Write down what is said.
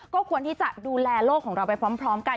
ก็ควรที่จะดูแลโลกของเราไปพร้อมกัน